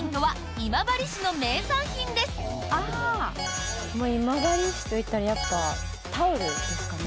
今治市といったらやっぱりタオルですかね。